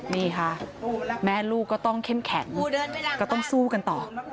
นี่ค่ะแม่ลูกก็ต้องเข้มแข็งก็ต้องสู้กันต่อ